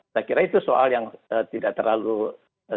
saya kira itu soal yang tidak terlalu